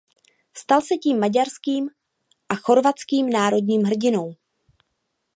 Stal se tím maďarským a chorvatským národním hrdinou.